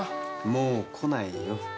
もう来ないよ。